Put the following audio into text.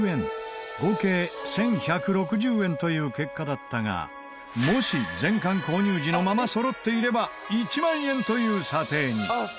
合計１１６０円という結果だったがもし全巻購入時のまま揃っていれば１万円という査定に。